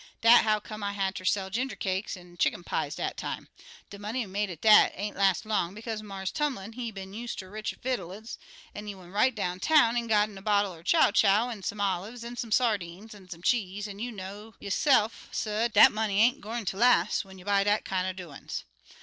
Dat how come I had ter sell ginger cakes an' chicken pies dat time. De money I made at dat ain't last long, bekaze Marse Tumlin he been use' ter rich vittles, an' he went right downtown an' got a bottle er chow chow, an' some olives, an' some sardines, an' some cheese, an' you know yo'se'f, suh, dat money ain't gwine ter las' when you buy dat kin' er doin's.